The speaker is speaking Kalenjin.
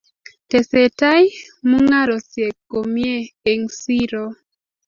Tesetai mung'arosyek komie eng siro.